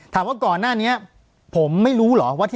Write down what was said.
ปากกับภาคภูมิ